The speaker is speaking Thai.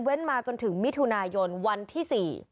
มาจนถึงมิถุนายนวันที่๔